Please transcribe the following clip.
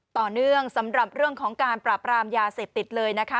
ต่อเนื่องสำหรับเรื่องของการปราบรามยาเสพติดเลยนะคะ